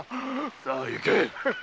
さぁ行け！